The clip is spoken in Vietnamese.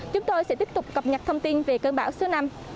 chúng tôi sẽ tiếp tục cập nhật thông tin về cơn bão số năm